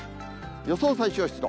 予想最小湿度。